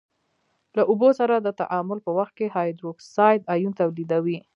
له اوبو سره د تعامل په وخت کې هایدروکساید آیون تولیدوي.